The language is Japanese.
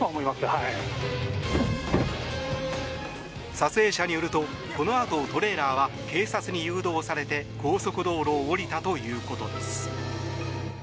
撮影者によるとこのあとトレーラーは警察に誘導されて、高速道路を降りたということです。